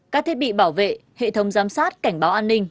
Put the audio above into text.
các thiết bị bảo vệ hệ thống giám sát cảnh báo an ninh